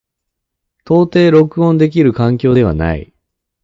到底録音できる環境ではない。